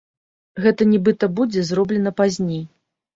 Гэта нібыта будзе зроблена пазней.